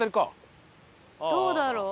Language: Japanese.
どうだろう？